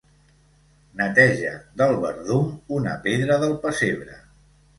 Neteja del verdum una pedra del pessebre.